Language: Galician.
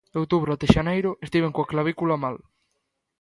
De outubro até xaneiro estiven coa clavícula mal.